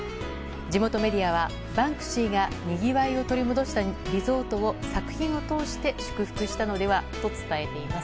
地元メディアはバンクシーがにぎわいを取り戻したリゾートを作品を通して祝福したのではと伝えています。